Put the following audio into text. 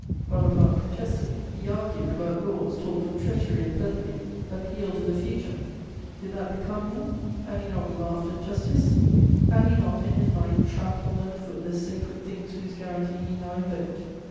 Bonaparte protested; he argued about laws, talked of treachery and perfidy, appealed to the future: did that become him? Had he not laughed at justice? Had he not, in his might, trampled under foot the sacred things whose guarantee he now invoked?